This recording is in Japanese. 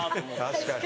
確かに。